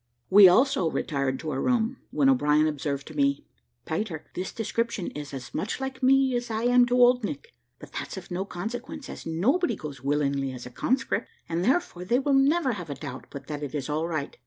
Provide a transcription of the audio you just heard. We also retired to our room, when O'Brien observed to me, "Peter, this description is as much like me as I am to old Nick; but that's of no consequence, as nobody goes willingly as a conscript, and therefore they will never have a doubt but that it is all right.